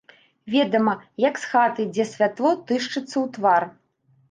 Ведама, як з хаты, дзе святло тышчыцца ў твар.